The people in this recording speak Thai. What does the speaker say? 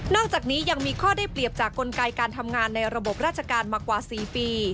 อกจากนี้ยังมีข้อได้เปรียบจากกลไกการทำงานในระบบราชการมากว่า๔ปี